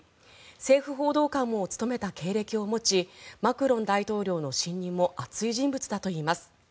政府報道官も務めた経歴を持ちマクロン大統領の信任も厚い人物だといいます。